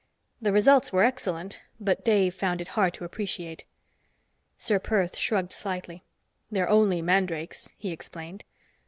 The results were excellent, but Dave found it hard to appreciate. Ser Perth shrugged slightly. "They're only mandrakes," he explained.